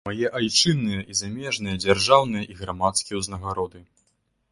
Мае айчынныя і замежныя дзяржаўныя і грамадскія ўзнагароды.